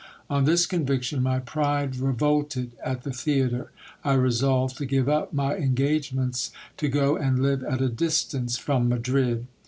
On this conviction, my pride revolted at the theatre: I resolved to give up my en gagements to go and live at a distance from Madrid.